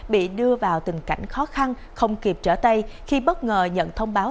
bị đưa vào tình cảnh khó khăn không kịp trở tay khi bất ngờ nhận thông báo